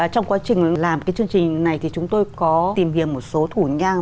trong quá trình làm cái chương trình này thì chúng tôi có tìm hiểu một số thủ nhang